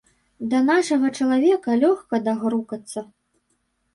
Да нашага чалавека лёгка дагрукацца.